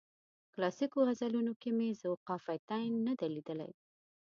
کلاسیکو غزلونو کې مې ذوقافیتین نه دی لیدلی.